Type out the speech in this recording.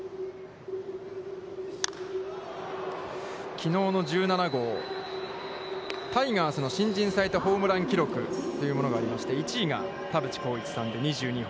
きのうの１７号、タイガースの新人最多ホームラン記録、というものがありまして、１位が田淵幸一さんで２２本。